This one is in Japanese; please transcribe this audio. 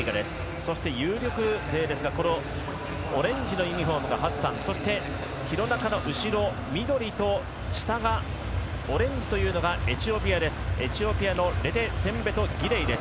そして有力勢ですがオレンジのユニホームがハッサンそして、廣中の後ろ緑と下がオレンジというのがエチオピアのレテセンベト・ギデイです。